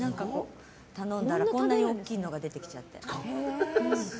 頼んだら、こんなに大きいのが出てきちゃって。